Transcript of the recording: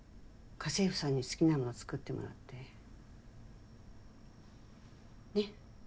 家政婦さんに好きなもの作ってもらって。ね？